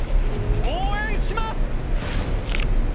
応援します！